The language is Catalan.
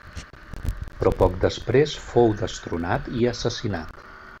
Però poc després fou destronat i assassinat.